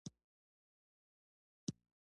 تمدن د پوهې له لارې وده کوي.